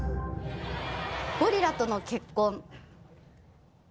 『ゴリラとの結婚』。